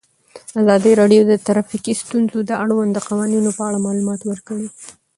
ازادي راډیو د ټرافیکي ستونزې د اړونده قوانینو په اړه معلومات ورکړي.